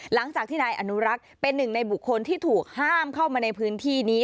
หลังจากที่นายอนุรักษ์เป็นหนึ่งในบุคคลที่ถูกห้ามเข้ามาในพื้นที่นี้